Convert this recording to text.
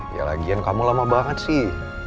ya lagian kamu lama banget sih